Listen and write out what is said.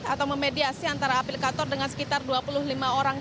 atau memediasi antara aplikator dengan sekitar dua puluh lima orang